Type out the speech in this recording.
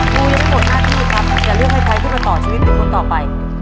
ตัวเลือกที่สองหน้าที่นี่ครับจะเลือกให้ใครที่มาต่อชีวิตในช่วงต่อไป